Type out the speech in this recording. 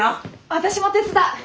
私も手伝う！